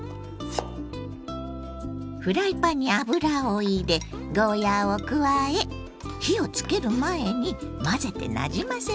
フライパンに油を入れゴーヤーを加え火をつける前に混ぜてなじませます。